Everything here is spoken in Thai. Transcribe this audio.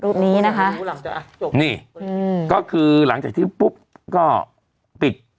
รูปนี้นะคะจบนี่อืมก็คือหลังจากที่ปุ๊บก็ปิด